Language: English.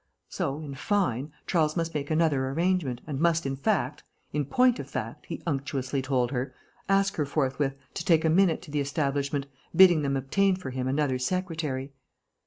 So in fine, Charles must make another arrangement and must in fact, in point of fact, he unctuously told her, ask her forthwith to take a minute to the establishment, bidding them obtain for him another secretary.